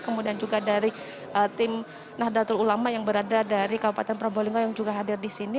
kemudian juga dari tim nahdlatul ulama yang berada dari kabupaten probolinggo yang juga hadir di sini